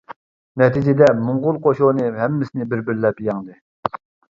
نەتىجىدە موڭغۇل قوشۇنى ھەممىسىنى بىر-بىرلەپ يەڭدى.